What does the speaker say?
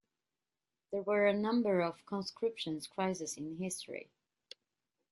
There were a number of conscription crises in history.